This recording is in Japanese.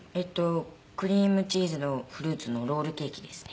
クリームチーズのフルーツのロールケーキですね。